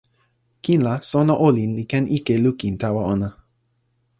kin la, sona olin li ken ike lukin tawa ona.